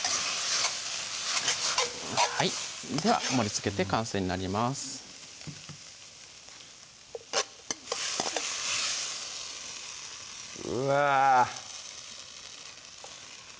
はいでは盛りつけて完成になりますうわ